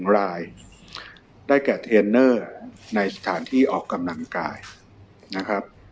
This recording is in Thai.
๒รายได้แก่เทรนเนอร์ในสถานที่ออกกำลังกายนะครับ